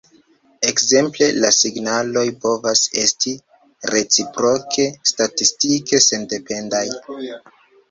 Ekzemple, la signaloj povas esti reciproke statistike sendependaj.